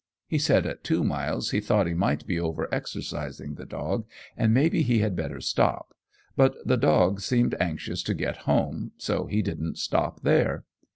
He said at two miles he thought he might be overexercising the dog and maybe he had better stop, but the dog seemed anxious to get home so he didn't stop there.